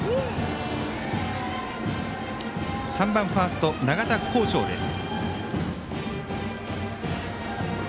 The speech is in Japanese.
３番、ファースト永田晃庄です。